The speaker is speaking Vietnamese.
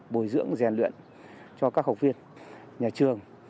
bồi dưỡng rèn luyện cho các học viên nhà trường